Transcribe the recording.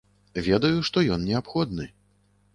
Ведаю, што ён неабходны.